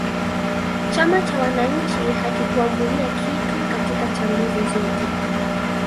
chama cha wananchi hakikuambulia kitu katika chaguzi zote